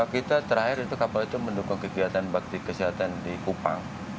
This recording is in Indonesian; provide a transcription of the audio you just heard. kita terakhir itu kapal itu mendukung kegiatan bakti kesehatan di kupang